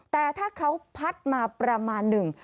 แต่ถ้าเขาพัดมาประมาณหนึ่ง